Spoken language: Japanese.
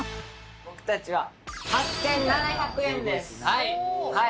僕たちは８７００円ですはい